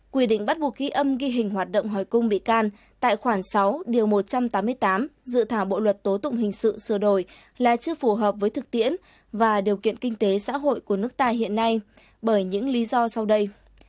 quy định bắt buộc ghi âm ghi hình hoạt động hỏi cung bị can tại khoảng sáu điều một trăm tám mươi tám dự thảo bộ luật tố tụng hình sự sửa đổi là chưa phù hợp với thực tiễn và điều kiện kinh tế xã hội của nước ta hiện nay bởi những lý do sau đây